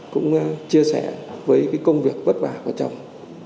cũng chia sẻ với cái công việc bất bả của chồng